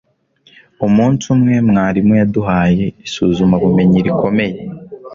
umunsi umwe, mwarimu yaduhaye isuzuma bumenyi rikomeye